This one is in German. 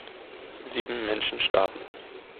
Sieben Menschen starben.